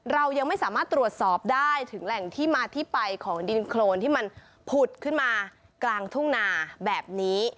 เรายังไม่สามารถตรวจสอบได้ถึงแหล่งที่มาที่ไปของดินโครนที่มันผุดขึ้นมากลางทุ่งนาแบบนี้